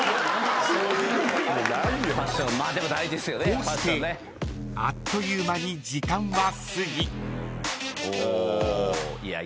［こうしてあっという間に時間は過ぎ］